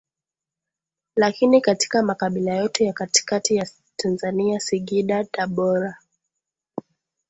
lakini katika Makabila yote ya katikati ya Tanzania Singida Tabora